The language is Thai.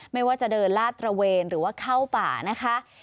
ไม่ว่าจะเดินลาดตระเวนหรือว่าเข้าป่านะคะ